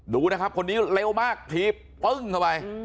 ดูนะครับคนนี้เร็วมากทีบปึ้งเข้าไป